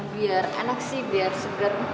biar enak sih biar seger